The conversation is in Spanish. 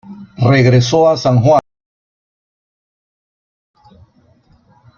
Regresó a San Juan al año siguiente.